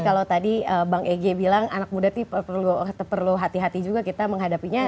dan juga bang egy bilang anak muda perlu hati hati juga kita menghadapinya